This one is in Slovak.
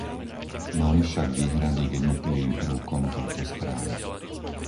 Mám však výhrady k jednotlivým prvkom tejto správy.